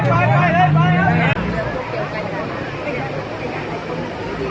ก็ไม่มีเวลาให้กลับมาเท่าไหร่